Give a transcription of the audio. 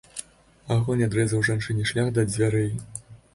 Агонь адрэзаў жанчыне шлях да дзвярэй.